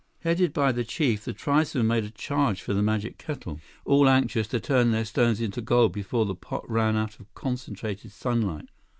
Headed by the chief, the tribesmen made a charge for the magic kettle, all anxious to turn their stones into gold before the pot ran out of concentrated sunlight.